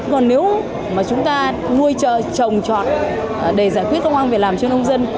còn nếu mà chúng ta nuôi trồng trọt để giải quyết công an về làm chân công dân